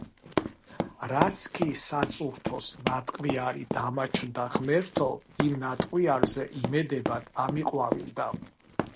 რაც კი საწურთოს ნატყვიარი დამაჩნდა ღმერთო, იმ ნატყვიარზე იმედებად ამიყვავილდა.